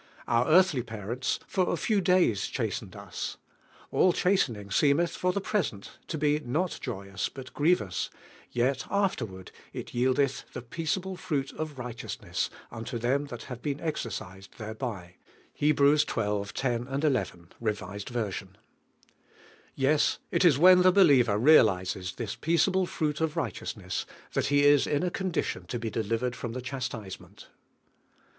Our earthly parents "for a few days chastened us All chastening seemeth for the present to be not joyous, but grievous, yet afterward it yiehteth the peaceable fruit of righteousness unto them that have been exerrisefi thereby" (Heb. xii, 10, 11, E.V.). Yes; it is when the believer realises this "peaceable fruit of righteous T8 D1V1HA HEALINO. ness," flhat 'he is in a condition to be deliv ered fn>m the chastisement.